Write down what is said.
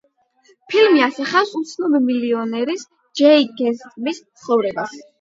ფილმი ასახავს უცნობი მილიონერის, ჯეი გეტსბის ცხოვრებას.